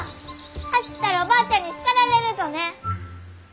走ったらおばあちゃんに叱られるぞね！